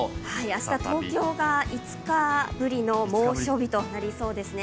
明日、東京が５日ぶりの猛暑日となりそうですね。